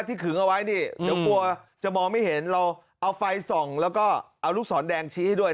ขึงเอาไว้นี่เดี๋ยวกลัวจะมองไม่เห็นเราเอาไฟส่องแล้วก็เอาลูกศรแดงชี้ให้ด้วย